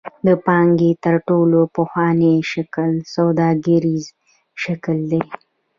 د پانګې تر ټولو پخوانی شکل سوداګریز شکل دی.